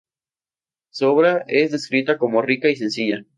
Su obra es descrita como rica y sencilla.